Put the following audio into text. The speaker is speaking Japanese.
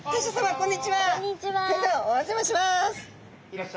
こんにちは。